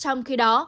trong khi đó